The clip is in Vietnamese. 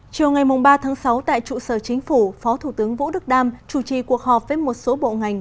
chiều ngày ba sáu tại trụ sở chính phủ phó thủ tướng vũ đức đam chủ trì cuộc họp với một số bộ ngành